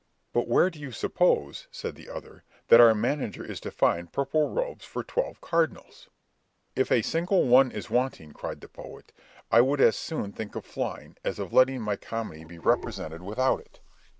"But where do you suppose," said the other, "that our manager is to find purple robes for twelve cardinals?" "If a single one is wanting," cried the poet, "I would as soon think of flying, as of letting my comedy be represented without it.